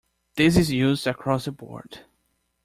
This is used across-the-board.